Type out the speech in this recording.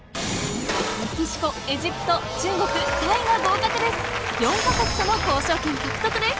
メキシコ、エジプト、中国、タイが合格です。